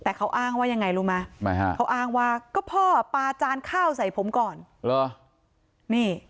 แต่เขาอ้างว่ายังไงรู้มั้ยอ้างว่าก็พอก็ปว่าประจานข้าวใส่ผมก่อน